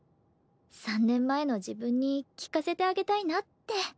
３年前の自分に聞かせてあげたいなって。